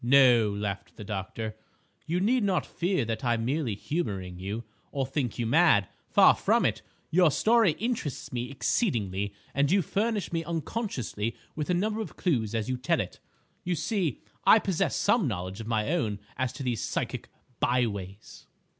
"No," laughed the doctor, "you need not fear that I'm merely humouring you, or think you mad. Far from it. Your story interests me exceedingly and you furnish me unconsciously with a number of clues as you tell it. You see, I possess some knowledge of my own as to these psychic byways."